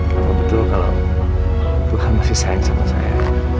tidak betul kalau tuhan masih sayang sama saya